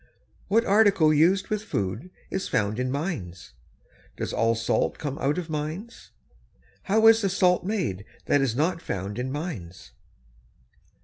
What article used with food is found in mines? Does all salt come out of the mines? How is the salt made that is not found in mines?